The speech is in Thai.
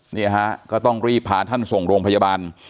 เนี่ยฮะก็ต้องรีบพาท่านส่งโรงพยาบาล